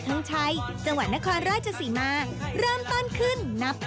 ตัวจ้าครับ